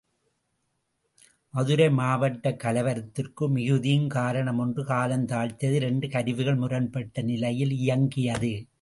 மதுரை மாவட்டக் கலவரத்திற்கு மிகுதியும் காரணம் ஒன்று காலந்தாழ்த்தியது இரண்டு கருவிகள் முரண்பட்ட நிலையில் இயங்கியது.